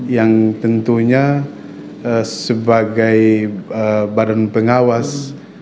yang tentunya sebagai badan pengawas